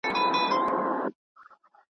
زموږ په برخه چي راغلې دښمني او عداوت وي .